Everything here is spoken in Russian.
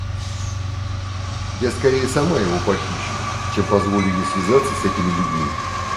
Я скорее сама его похищу, чем позволю ей связаться с этими людьми.